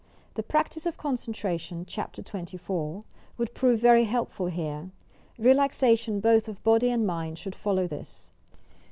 The practice of Concentration (Chapter XXIV) would prove very helpful here; relaxation both of body and mind should follow this.